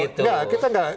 tidak kita tidak